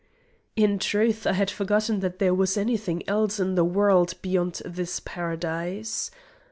In truth, I had forgotten that there was any thing else in the world beyond this Paradise.